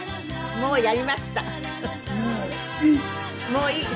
もういい。